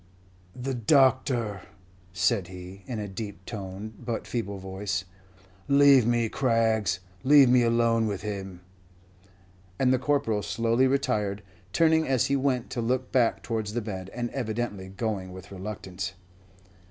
"The doctor!" said he, in a deep toned but feeble voice. "Leave me, Craggs leave me alone with him." And the Corporal slowly retired, turning as he went to look back towards the bed, and evidently going with reluctance.